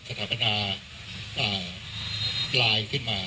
สถาบันราภัณฑ์ลายขึ้นมา